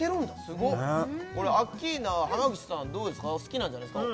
すごっこれアッキーナは濱口さんはどうですか好きなんじゃないですか